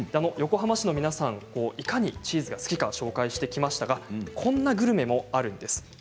横浜市の皆さんがいかにチーズが好きか紹介してきましたがこんなグルメもあるんです。